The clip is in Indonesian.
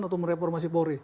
atau mereformasi polri